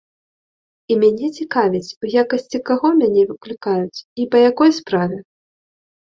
І мяне цікавіць, у якасці каго мяне выклікаюць і па якой справе.